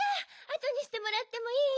あとにしてもらってもいい？